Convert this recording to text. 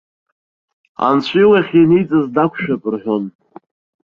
Анцәа илахь ианиҵаз дақәшәап рҳәон.